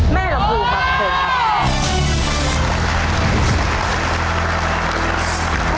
แม่ลำพูพอซ่อมได้